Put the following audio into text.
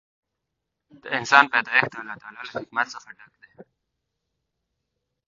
د انسان پیدایښت د الله تعالی له حکمت څخه ډک دی.